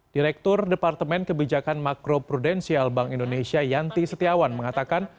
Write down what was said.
direktur departemen kebijakan makro prudensial bank indonesia yanti setiawan mengatakan